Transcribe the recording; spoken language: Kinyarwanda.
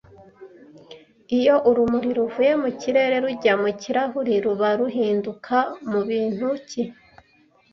Iyo urumuri ruvuye mu kirere rujya mu kirahure ruba ruhinduka mubintu ki